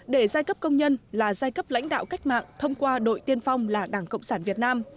để giai cấp công nhân là giai cấp lãnh đạo cách mạng thông qua đội tiên phong là đảng cộng sản việt nam